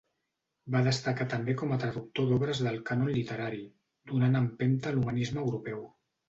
Va destacar també com a traductor d'obres del cànon literari, donant empenta a l'humanisme europeu.